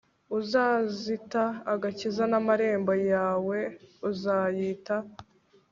uzazita agakiza n amarembo yawe uzayita